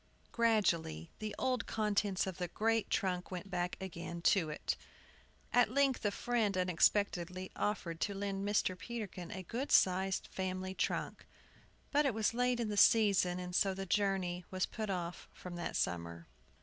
Gradually the old contents of the great trunk went back again to it. At length a friend unexpectedly offered to lend Mr. Peterkin a good sized family trunk. But it was late in the season, and so the journey was put off from that summer.